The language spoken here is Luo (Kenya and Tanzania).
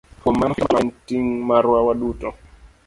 Kuom mano, rito ler mar alworawa en ting' marwa waduto.